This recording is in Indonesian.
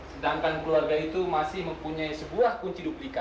sedangkan keluarga itu masih mempunyai sebuah kunci duplika